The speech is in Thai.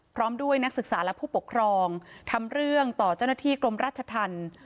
พร้อมด้วยนักศึกษาและผู้ปกครองทำเรื่องต่อเจ้าหน้าที่กรมราชธรรม